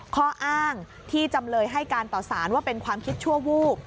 ข้ออ้างที่จำเลยให้การต่อสารว่าเป็นความคิดชั่ววูบ